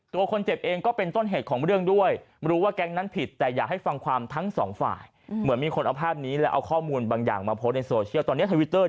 ตัวคนเจ็บเองก็เป็นต้นเหตุของเรื่องด้วยรู้ว่าแก๊งนั้นผิดแต่อยากให้ฟังความทั้งสองฝ่ายเหมือนมีคนเอาภาพนี้แล้วเอาข้อมูลบางอย่างมาโพสต์ในโซเชียลตอนนี้ทวิตเตอร์